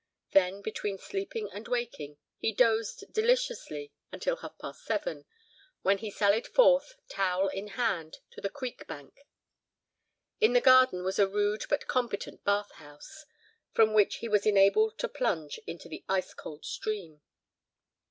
Then, between sleeping and waking, he dozed deliciously until half past seven, when he sallied forth, towel in hand, to the creek bank. In the garden was a rude, but competent bath house, from which he was enabled to plunge into the ice cold stream.